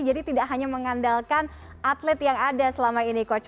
jadi tidak hanya mengandalkan atlet yang ada selama ini coach